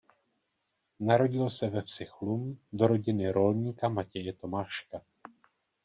Narodil se ve vsi Chlum do rodiny rolníka Matěje Tomáška.